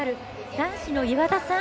男子の岩田さん。